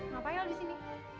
ngapain lo disini